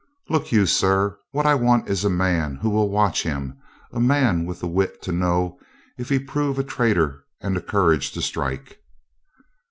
"Look you, sir, what I want is a man who will watch him, a man with the wit to know if he prove a traitor and the courage to strike."